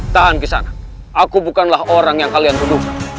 tahan di sana aku bukanlah orang yang kalian peduli